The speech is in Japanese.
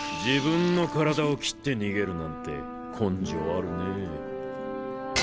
自分の体を切って逃げるなんて根性あるねぇ。